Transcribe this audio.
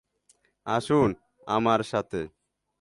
আসুন আমার সাথে।